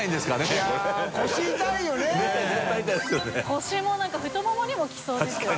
腰も何か太ももにもきそうですよね。